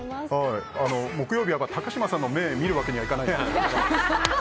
木曜日は高嶋さんの目を見るわけにはいかないんで。